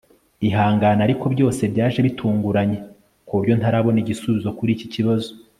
Ihangane ariko byose byaje bitunguranye kuburyo ntarabona igisubizo kuri iki kibazo